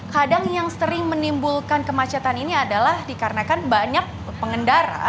kadang yang sering menimbulkan kemacetan ini adalah dikarenakan banyak pengendara